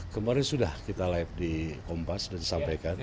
kemarin sudah kita live di kompas dan disampaikan